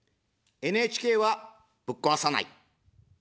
ＮＨＫは、ぶっ壊さない。